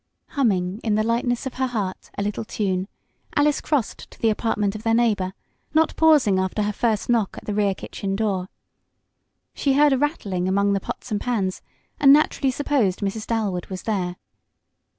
Humming, in the lightness of her heart, a little tune, Alice crossed to the apartment of their neighbor, not pausing after her first knock at the rear kitchen door. She heard a rattling among the pots and pans, and naturally supposed Mrs. Dalwood was there.